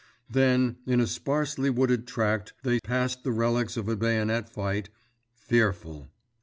Then, in a sparsely wooded tract they passed the relics of a bayonet fight—fearful!